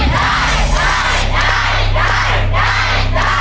ได้ครับ